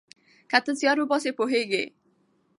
که ته زیار وباسې پوهیږې.